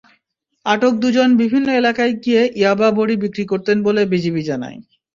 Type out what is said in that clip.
আটক দুজন বিভিন্ন এলাকায় গিয়ে ইয়াবা বড়ি বিক্রি করতেন বলে বিজিবি জানায়।